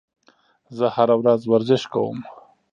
زه هره ورځ ورزش کوم.